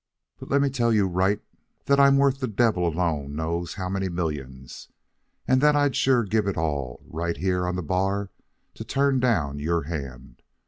But let me tell you right now that I'm worth the devil alone knows how many millions, and that I'd sure give it all, right here on the bar, to turn down your hand.